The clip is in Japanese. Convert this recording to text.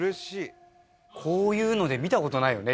こういうので見た事ないよね。